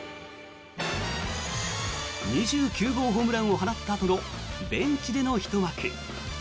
２９号ホームランを放ったあとのベンチでのひと幕。